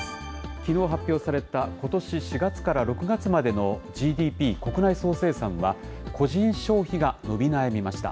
きのう発表された、ことし４月から６月までのＧＤＰ・国内総生産は、個人消費が伸び悩みました。